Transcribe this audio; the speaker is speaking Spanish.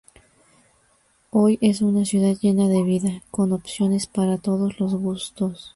Hoy es una ciudad llena de vida, con opciones para todos los gustos.